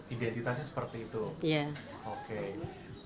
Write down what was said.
identitasnya seperti itu